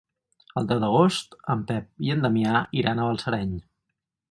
El deu d'agost en Pep i en Damià iran a Balsareny.